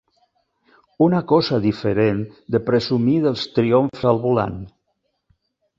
Una cosa diferent de presumir dels triomfs al volant.